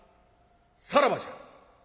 さらばじゃ」。